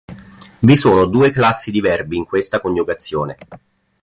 Vi sono due classi di verbi in questa coniugazione.